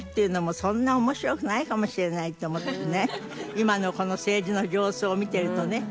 今のこの政治の様子を見てるとね。